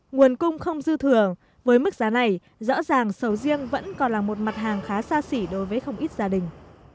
nguồn cung không dư thừa với mức giá này rõ ràng sầu riêng vẫn còn là một mặt hàng khá xa xỉ đối với không ít gia đình